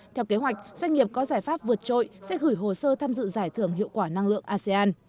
theo kế hoạch doanh nghiệp có giải pháp vượt trội sẽ gửi hồ sơ tham dự giải thưởng hiệu quả năng lượng asean